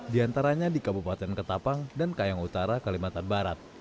diantaranya di kabupaten ketapang dan kayang utara kalimantan barat